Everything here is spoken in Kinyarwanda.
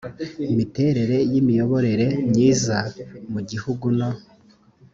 miterere y imiyoborere myiza mu gihugu no